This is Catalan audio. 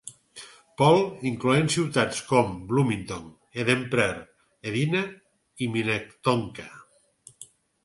Paul incloent ciutats com Bloomington, Eden Prairie, Edina i Minnetonka.